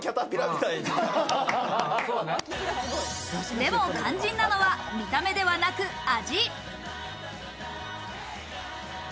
でも肝心なのは見た目ではなく味。